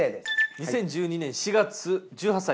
２０１２年４月１８歳。